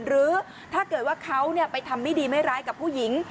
หรือถ้าเกิดว่าเขาไปทำไม่ดีไม่ร้ายกับผู้หญิง